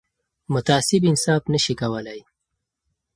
متعصب انصاف نه شي کولای